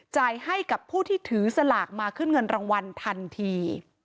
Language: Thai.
จ่ายให้กับผู้ที่ถือสลากมาขึ้นเงินรางวัลทันที